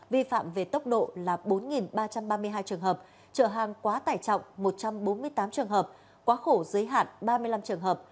vi phạm về tốc độ là bốn ba trăm ba mươi hai trường hợp trợ hàng quá tải trọng một trăm bốn mươi tám trường hợp quá khổ giới hạn ba mươi năm trường hợp